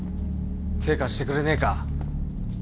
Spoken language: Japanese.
手ぇ貸してくれねえか。